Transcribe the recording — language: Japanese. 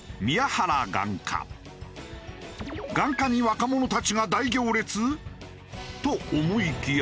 眼科に若者たちが大行列？と思いきや。